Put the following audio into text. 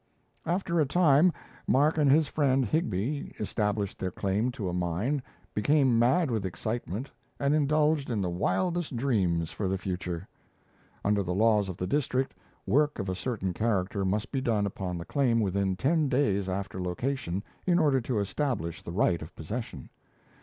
After a time, Mark and his friend Higbie established their claim to a mine, became mad with excitement, and indulged in the wildest dreams for the future. Under the laws of the district, work of a certain character must be done upon the claim within ten days after location in order to establish the right of possession.